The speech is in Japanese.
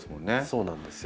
そうなんですよ。